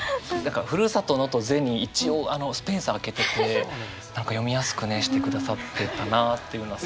「ふるさとの」と「ｔｈｅｙ」に一応スペース空けてて何か読みやすくねしてくださってたなというのは。